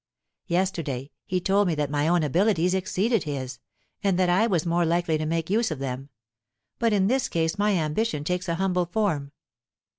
Yesterday he told me that my own abilities exceeded his, and that I was more likely to make use of them; but in this case my ambition takes a humble form.